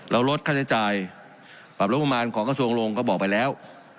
ลดค่าใช้จ่ายปรับลดประมาณของกระทรวงลงก็บอกไปแล้ว